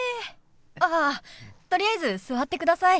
あっとりあえず座ってください。